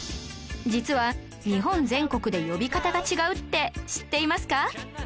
実は日本全国で呼び方が違うって知っていますか？